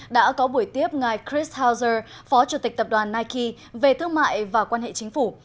đã có buổi tiếp ngài chris house phó chủ tịch tập đoàn nike về thương mại và quan hệ chính phủ